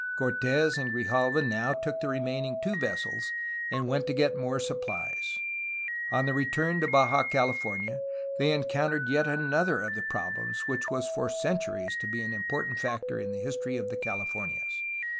Cortes and Grijalva now took the remaining two vessels, and went to get more supplies. On the return to Baja California they encountered yet an 52 A HISTORY OF CALIFORNIA other of the problems which was for centuries to be an im portant factor in the history of the Calif ornias.